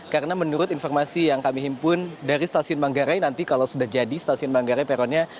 karena menurut informasi yang kami himpun dari stasiun manggarai nanti kalau sudah jadi stasiun manggarai peronnya